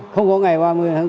không có ngày ba mươi tháng bốn